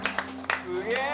すげえ！